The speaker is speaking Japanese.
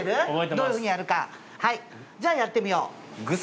どういうふうにやるかはいじゃあやってみよう